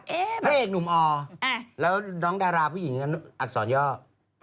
พระเอกหนุ่มอแล้วน้องดาราผู้หญิงอักษรย่อ